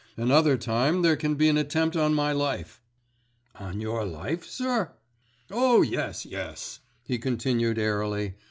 Another time there can be an attempt on my life." "On your life, sir?" "Oh, yes, yes," he continued airily.